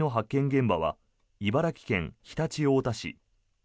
現場は茨城県常陸太田市。